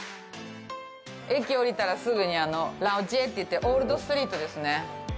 駅をおりたらすぐに老街といって、オールドストリートですね。